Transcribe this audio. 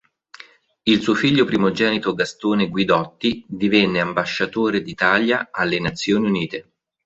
Il suo figlio primogenito Gastone Guidotti divenne Ambasciatore d'Italia alle Nazioni Unite.